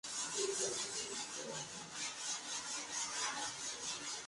Masked Rider!